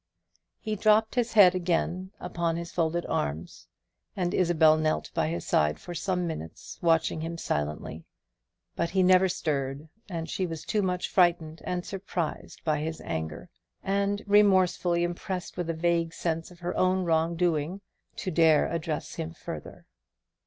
He dropped his head again upon his folded arms, and Isabel knelt by his side for some minutes watching him silently; but he never stirred and she was too much frightened and surprised by his anger; and remorsefully impressed with a vague sense of her own wrong doing, to dare address him further.